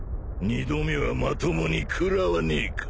２度目はまともにくらわねえか。